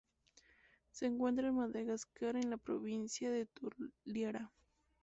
Se encuentran en Madagascar en la Provincia de Toliara.